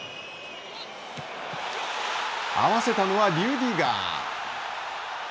合わせたのはリュディガー。